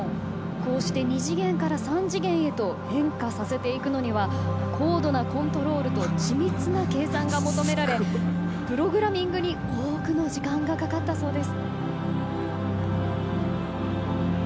こうして２次元から３次元へと変化させていくのには高度なコントロールとち密な計算が求められプログラミングに多くの時間がかかったそうです。